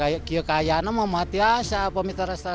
lakukan gwah biasa saja